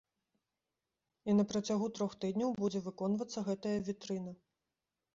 І на працягу трох тыдняў будзе выконвацца гэтая вітрына.